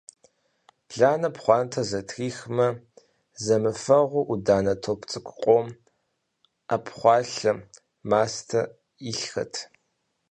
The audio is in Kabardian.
Ланэ пхъуантэр зэтрихмэ – зэмыфэгъуу Ӏуданэ топ цӀыкӀу къом, Ӏэпхъуалъэ, мастэ илъхэт.